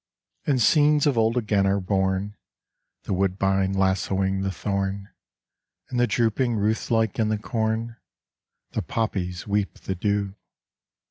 And scenes of old again are bom. The woodbine lassoing the thorn, And drooping Ruth like in the corn The poppies weep the dew.